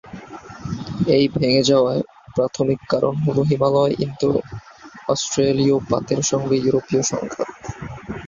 এই ভেঙে যাওয়ার প্রাথমিক কারণ হল হিমালয়ে ইন্দো-অস্ট্রেলীয় পাতের সঙ্গে ইউরেশিয়ার সংঘাত।